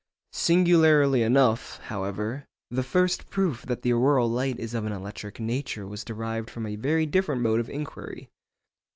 Singularly enough, however, the first proof that the auroral light is of an electric nature was derived from a very different mode of inquiry.